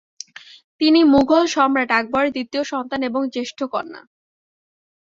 তিনি মুঘল সম্রাট আকবরের দ্বিতীয় সন্তান এবং জ্যেষ্ঠ কন্যা।